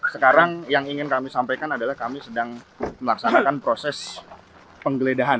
sekarang yang ingin kami sampaikan adalah kami sedang melaksanakan proses penggeledahan